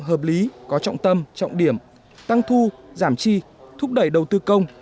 hợp lý có trọng tâm trọng điểm tăng thu giảm chi thúc đẩy đầu tư công